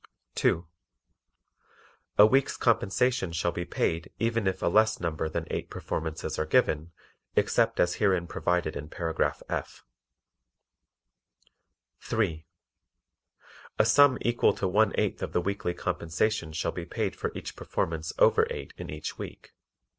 (2) A week's compensation shall be paid even if a less number than eight performances are given, except as herein provided in Paragraph F. (3) A sum equal to one eighth of the weekly compensation shall be paid for each performance over eight in each week.